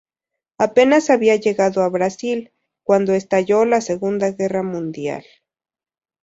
Apenas había llegado a Brasil, cuando estalló la Segunda Guerra Mundial.